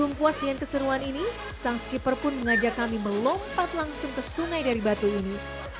belum puas dengan keseruan ini sang skipper pun mengajak kami melompat langsung ke sungai dari batu ini